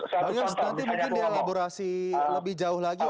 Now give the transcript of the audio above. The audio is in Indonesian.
pak agus nanti mungkin dielaborasi lebih jauh lagi